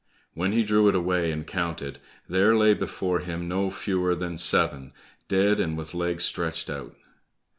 When he drew it away and counted, there lay before him no fewer than seven, dead and with legs stretched out.